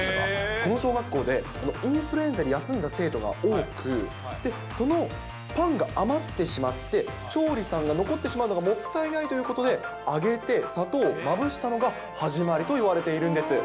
この小学校で、インフルエンザで休んだ生徒が多く、そのパンが余ってしまって、調理さんが残ってしまうのがもったいないということで揚げて、砂糖をまぶしたのが始まりといわれているんです。